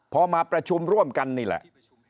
พอมาประชุมร่วมกันนี่แหละ